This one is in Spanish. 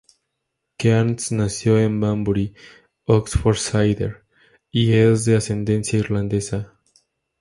Kearns nació en Banbury, Oxfordshire y es de ascendencia irlandesa.